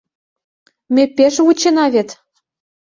Ме пеш вучена вет...